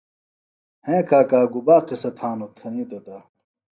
ہیں کاکا گُبا قِصہ تھانوۡ تھنیتوۡ تہ،